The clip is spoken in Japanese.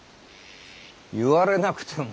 言われなくても。